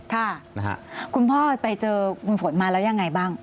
ค่ะนะฮะคุณพ่อไปเจอคุณฝนมาแล้วยังไงบ้าง